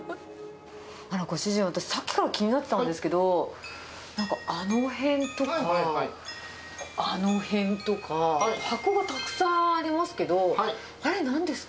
ご主人、私、さっきから気になってたんですけど、なんか、あの辺とか、あの辺とか、箱がたくさんありますけど、あれ、なんですか？